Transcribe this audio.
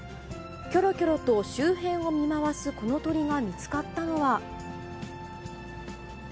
きょろきょろと周辺を見回すこの鳥が見つかったのは。